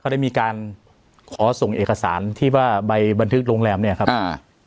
ได้มีการขอส่งเอกสารที่ว่าใบบันทึกโรงแรมเนี่ยครับอ่า